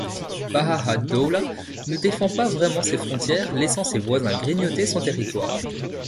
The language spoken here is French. Baha' ad-Dawla ne défend pas vraiment ses frontières laissant ses voisins grignoter son territoire.